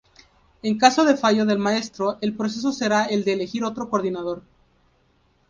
En caso de fallo del maestro el proceso será el de elegir otro coordinador.